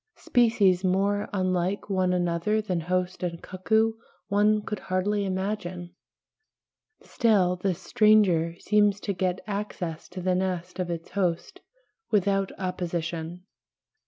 Species more unlike one another than host and cuckoo one could hardly imagine; still this stranger seems to get access to the nest of its host without opposition.